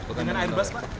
dengan airbus pak